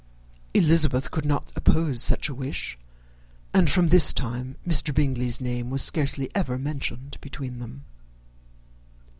Elizabeth could not oppose such a wish; and from this time Mr. Bingley's name was scarcely ever mentioned between them.